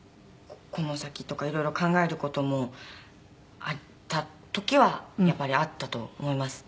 この先とか色々考える事もあった時はやっぱりあったと思います。